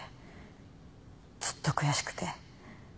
ずっと悔しくて。